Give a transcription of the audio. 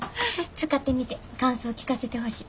使ってみて感想聞かせてほしい。